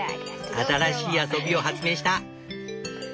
新しい遊びを発明した。